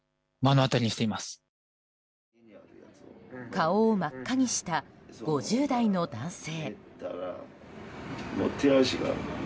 顔を真っ赤にした５０代の男性。